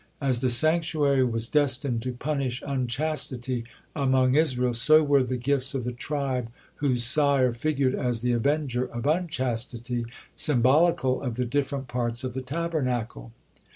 As the sanctuary was destined to punish unchastity among Israel, so were the gifts of the tribe whose sire figured as the avenger of unchastity symbolical of the different parts of the Tabernacle.